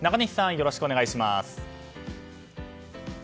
よろしくお願いします。